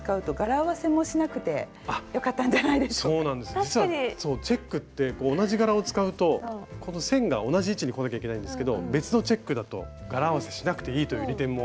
実はチェックって同じ柄を使うとこの線が同じ位置にこなきゃいけないんですけど別のチェックだと柄合わせしなくていいという利点も。